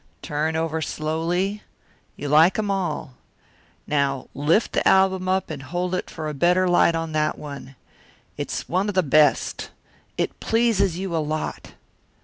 "Turn over slowly; you like 'em all. Now lift the album up and hold it for a better light on that one. It's one of the best, it pleases you a lot.